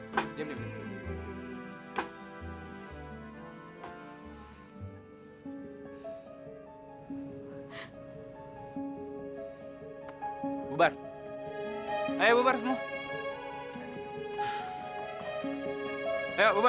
udah bubar bubar semuanya